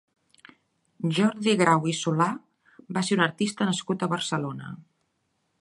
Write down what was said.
Jordi Grau i Solà va ser un artista nascut a Barcelona.